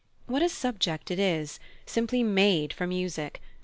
What a subject it is! Simply made for music.